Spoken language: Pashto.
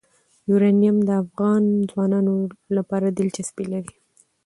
یورانیم د افغان ځوانانو لپاره دلچسپي لري.